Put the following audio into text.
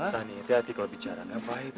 tidak usah hati hati kalau bicara gak baik